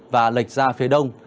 và lệch ra phía đông